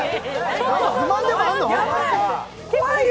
不満でもあるの？